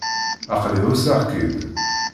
Aql-i ɛusseɣ-k-id.